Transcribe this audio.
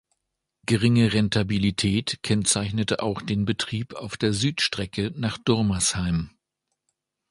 Geringe Rentabilität kennzeichnete auch den Betrieb auf der Südstrecke nach Durmersheim.